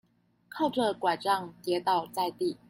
靠著柺杖跌倒在地